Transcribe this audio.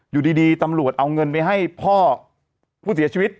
อยู่ดีตำรวจเอาเงินไปให้พ่อผู้เสียชีวิต